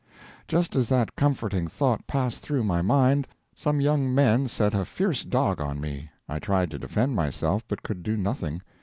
Just as that comforting thought passed through my mind, some young men set a fierce dog on me. I tried to defend myself, but could do nothing.